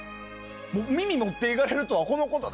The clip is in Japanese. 耳を持っていかれとはこのことだ。